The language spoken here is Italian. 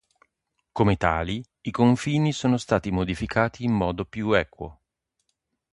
Come tali, i confini sono stati modificati in modo più equo.